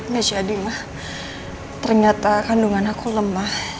gak jadi mah ternyata kandungan aku lemah